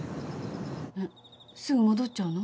えっすぐ戻っちゃうの？